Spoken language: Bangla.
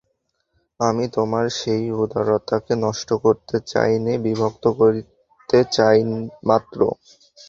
আমি তোমার সেই উদারতাকে নষ্ট করতে চাই নে, বিভক্ত করতে চাই মাত্র।